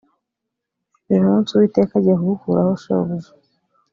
uyu munsi uwiteka agiye kugukuraho shobuja